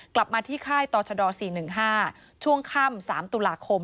กลับมาที่ค่ายต่อชด๔๑๕ช่วงค่ำ๓ตุลาคม